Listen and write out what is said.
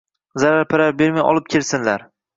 Zarar-parar bermay olib kelsinlar